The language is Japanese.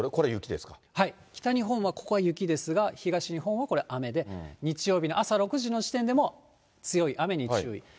はい、北日本はここは雪ですが、東日本はこれ、雨で、日曜日の朝６時の時点で、もう強い雨に注意。